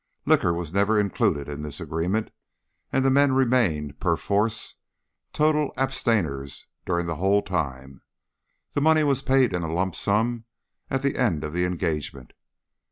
Liquor was never included in this agreement, and the men remained, per force, total abstainers during the whole time. The money was paid in a lump sum at the end of the engagement.